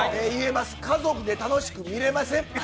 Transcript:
言えます、家族で楽しく見れません。